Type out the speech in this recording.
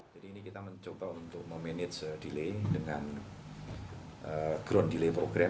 jadi ini kita mencoba untuk memanage delay dengan ground delay program